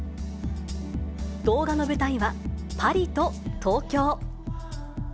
動画の舞台は、パリと東京。